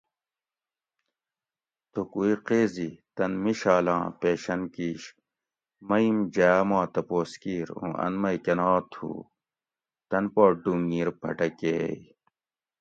تھوکو ای قیضی (تن مشالاں پیشن کیش) مئیم جاۤ ما تپوس کیر اُوں ان مئی کۤناں تُھو؟ تن پا ڈُھونگیر پھٹکیئے